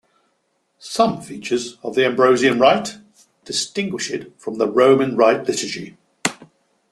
Some features of the Ambrosian Rite distinguish it from the Roman Rite liturgy.